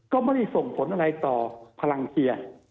ก็ไม่ได้ส่งผลอะไรต่อพลังเชียร์